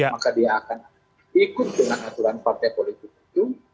maka dia akan ikut dengan aturan partai politik itu